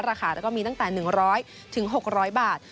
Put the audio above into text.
ราคาแล้วก็มีตั้งแต่๑๐๐๖๐๐บาท